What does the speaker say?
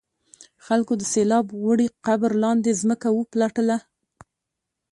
خلکو د سیلاب وړي قبر لاندې ځمکه وپلټله.